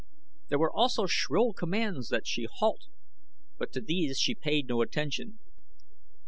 There were also shrill commands that she halt, but to these she paid no attention.